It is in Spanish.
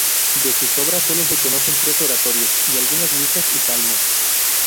De sus otras obras solo se conocen tres oratorios y algunas misas y salmos.